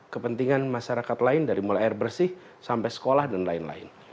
kepentingan masyarakat lain dari mulai air bersih sampai sekolah dan lain lain